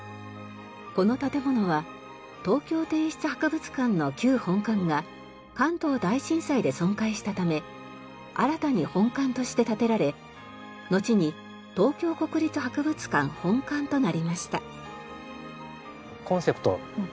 この建物は東京帝室博物館の旧本館が関東大震災で損壊したため新たに本館として建てられのちに東京国立博物館本館となりました。